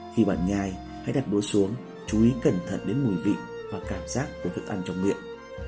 khi bạn nhai hãy đặt lúa xuống chú ý cẩn thận đến mùi vị và cảm giác với thức ăn trong miệng